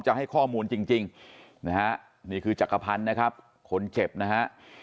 จะให้ข้อมูลจริงนะฮะนี่คือจักรพันธ์นะครับคนเจ็บนะฮะ